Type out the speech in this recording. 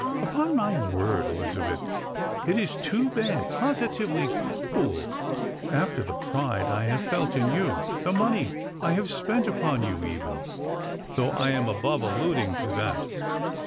Upon my word, Elizabeth, it is too bad, positively cruel, after the pride I have felt in you, the money I have spent upon you even, though I am above alluding to that.